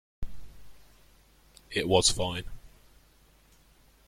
It was fine.